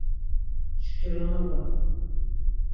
Mşkironoba...